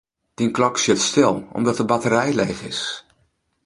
Dyn klok stiet stil, omdat de batterij leech is.